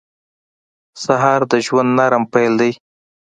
سهار د ژوند نرم پیل دی.